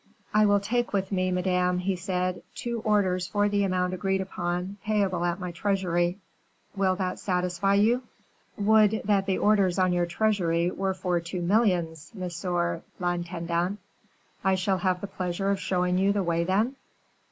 "I will take with me, madame," he said, "two orders for the amount agreed upon, payable at my treasury. Will that satisfy you?" "Would that the orders on your treasury were for two millions, monsieur l'intendant! I shall have the pleasure of showing you the way, then?"